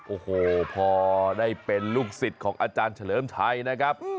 โอ้โหพอได้เป็นลูกศิษย์ของอาจารย์เฉลิมชัยนะครับ